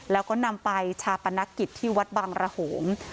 แล้วก็นำไปชาปนกิจที่วัดบังระโหม